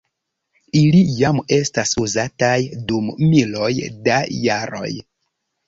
Ili jam estas uzataj dum miloj da jaroj.